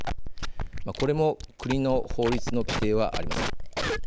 これも国の法律の規定はありません。